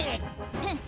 フン！